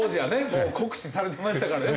もう酷使されてましたからね。